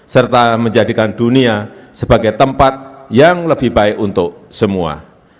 serta menjadikan dunia sebagai tempat yang lebih baik untuk semua